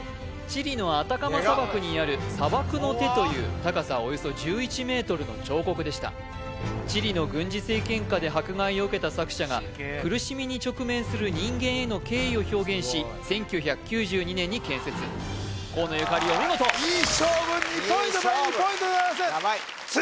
チリのアタカマ砂漠にある「砂漠の手」という高さおよそ１１メートルの彫刻でしたチリの軍事政権下で迫害を受けた作者が苦しみに直面する人間への敬意を表現し１９９２年に建設河野ゆかりお見事いい勝負２ポイント対２ポイントでございます